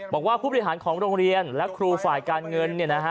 บอกว่าผู้บริหารของโรงเรียนและครูฝ่ายการเงิน